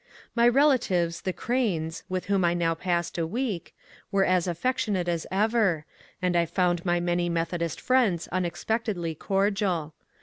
My relatives, the Cranes, with whom I now passed a week, were as affectionate as ever, and I found my many Methodist friends unexpectedly cordial.